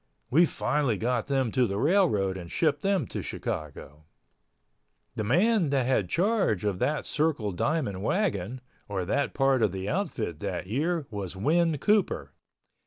We finally got them to the railroad and shipped them to Chicago. The man that had charge of that Circle Diamond wagon, or that part of the outfit that year was Win Cooper.